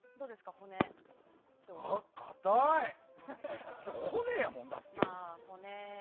骨やもん、だって。